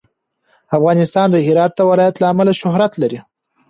افغانستان د هرات د ولایت له امله شهرت لري.